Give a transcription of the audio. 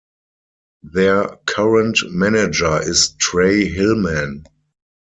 Their current manager is Trey Hillman.